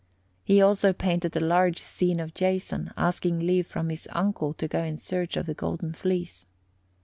He also painted a large scene of Jason asking leave from his uncle to go in search of the Golden Fleece.